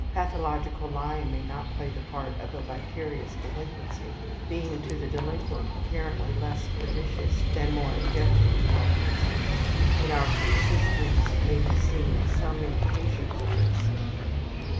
pathological lying may not play the part of a vicarious delinquency being to the delinquent apparently less pernicious than more objective offenses. In our case histories may be seen some indications of this.